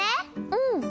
うん！